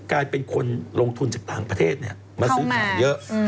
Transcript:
กลายเป็นคนลงทุนจากต่างประเทศมาซื้อของเยอะ